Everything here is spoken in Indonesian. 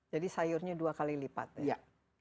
jadi sayurnya dua kali lipat ya